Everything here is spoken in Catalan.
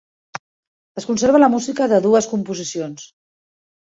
Es conserva la música de dues composicions.